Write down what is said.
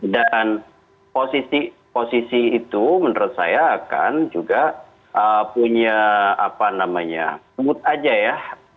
dan posisi itu menurut saya akan juga punya apa namanya mood aja ya